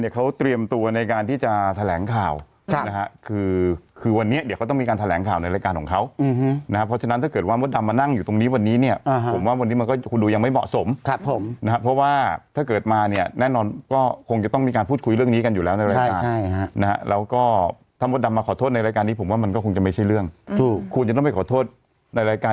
ในรายการของเขานะครับเพราะฉะนั้นถ้าเกิดว่ามดดำมานั่งอยู่ตรงนี้วันนี้เนี่ยผมว่าวันนี้มันก็คุณดูยังไม่เหมาะสมครับผมนะครับเพราะว่าถ้าเกิดมาเนี่ยแน่นอนก็คงจะต้องมีการพูดคุยเรื่องนี้กันอยู่แล้วนะครับแล้วก็ถ้ามดดำมาขอโทษในรายการนี้ผมว่ามันก็คงจะไม่ใช่เรื่องถูกคุณจะต้องไปขอโทษในรายก